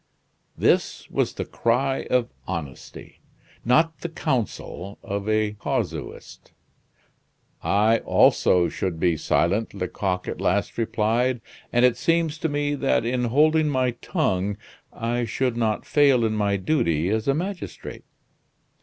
This was the cry of honesty; not the counsel of a casuist. "I also should be silent," Lecoq at last replied; "and it seems to me that, in holding my tongue, I should not fail in my duty as a magistrate."